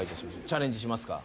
チャレンジしますか？